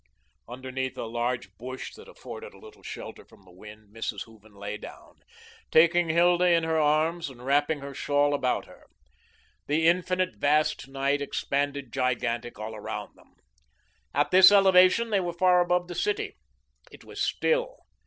Underneath a large bush that afforded a little shelter from the wind, Mrs. Hooven lay down, taking Hilda in her arms and wrapping her shawl about her. The infinite, vast night expanded gigantic all around them. At this elevation they were far above the city. It was still.